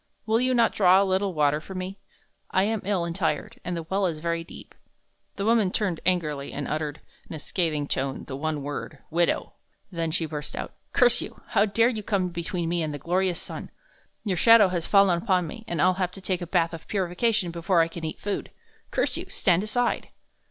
"Will you not draw a little water for me? I am ill and tired, and the well is very deep." The woman turned angrily, and uttered, in a scathing tone, the one word, "Widow!" then she burst out: "Curse you! How dare you come between me and the glorious sun! Your shadow has fallen upon me, and I'll have to take the bath of purification before I can eat food! Curse you! Stand aside!"